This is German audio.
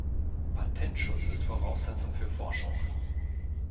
Patentschutz ist Voraussetzung für Forschung!